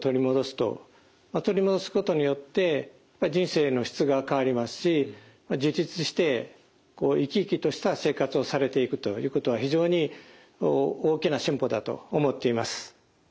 取り戻すことによって人生の質が変わりますし自立して生き生きとした生活をされていくということは非常に大きな進歩だと思っています。